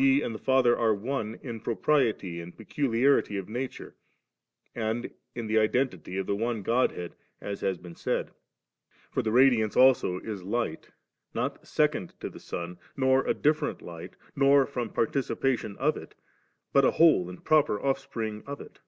and the Father are one in propriety and peculiarity of nature, and in the identity of the one Godhead, as has been said For the radiance also is light, not second to the sun, nor a different light, nor from par* ticipation of it, but a whole and proper off spring of it.